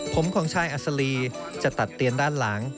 ผมของชายอัศรีจะตัดเตียนด้านหลัง